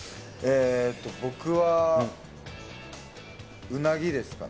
僕はうなぎですかね。